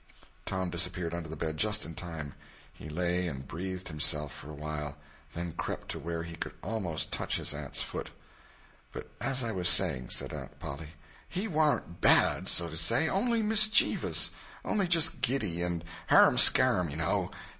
Tom disappeared under the bed just in time. He lay and "breathed" himself for a time, and then crept to where he could almost touch his aunt's foot. "But as I was saying," said Aunt Polly, "he warn't bad, so to say—only misch_ee_vous. Only just giddy, and harum scarum, you know.